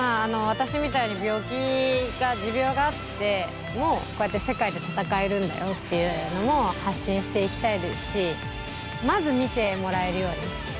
私みたいに病気持病があってもこうやって世界で戦えるんだよっていうのも発信していきたいですしまず見てもらえるように。